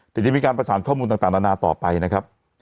เดี๋ยวจะมีการประสานข้อมูลต่างนานาต่อไปนะครับ